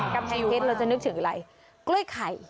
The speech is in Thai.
กำแพงเพชรเราจะนึกถึงอะไรกล้วยไข่